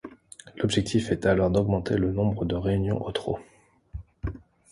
L'objectif est alors d'augmenter le nombre de réunions au trot.